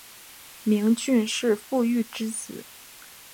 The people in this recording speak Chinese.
明俊是傅玉之子。